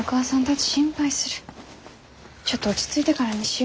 ちょっと落ち着いてからにしよ。